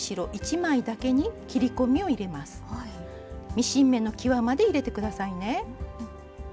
ミシン目のきわまで入れて下さいね。